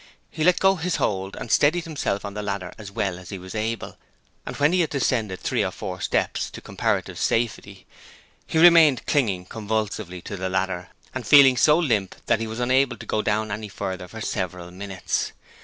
He let go his hold and steadied himself on the ladder as well as he was able, and when he had descended three or four steps into comparative safety he remained clinging convulsively to the ladder and feeling so limp that he was unable to go down any further for several minutes.